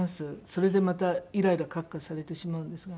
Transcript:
それでまたイライラカッカされてしまうんですね。